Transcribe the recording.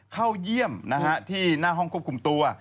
เข้าเยี่ยมที่หน้าห้องควบคุมตัว